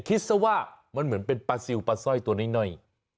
คิดซะว่ามันเหมือนเป็นปลาซิลปลาสร้อยตัวน้อย